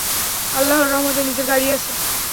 আল্লাহর রহমতে, নিজের গাড়ি আছে।